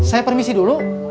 saya permisi dulu